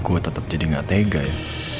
gue tetap jadi gak tega ya